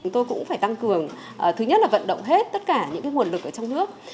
tôi cũng phải tăng cường thứ nhất là vận động hết tất cả những nguồn lực ở trong nước